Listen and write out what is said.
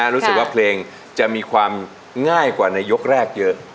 รู้สึกว่าเพลงจะมีความง่ายกว่าในยกแรกเยอะ